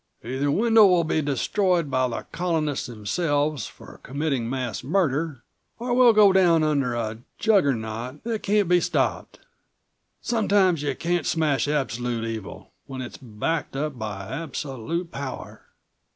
"Either Wendel will be destroyed by the Colonists themselves for committing mass murder, or we'll go down under a juggernaut that can't be stopped. Sometimes you can't smash absolute evil, when it's backed up by absolute power."